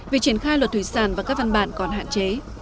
việc triển khai luật thủy sản và các văn bản còn hạn chế